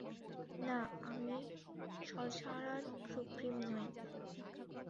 না, আমি sorcerer supreme নই।